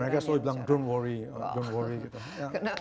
ya mereka selalu bilang don't worry don't worry gitu